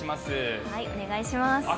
お願いします